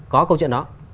có câu chuyện đó